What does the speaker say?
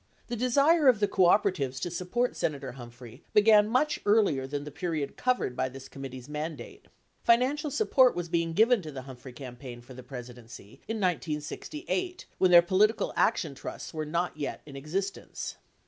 The desire of the cooperatives to support Senator Humphrey began much earlier than the period (869) 870 covered by this committee's mandate — financial support was being given to the Humphrey campaign for the Presidency in 1968 when their political action trusts were not yet in existence.